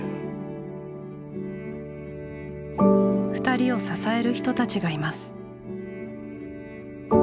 ２人を支える人たちがいます。